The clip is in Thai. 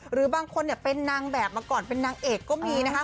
หรือบางคนเป็นนางแบบมาก่อนเป็นนางเอกก็มีนะคะ